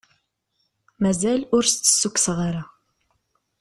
Mazal ur as-d-ssukkseɣ ara.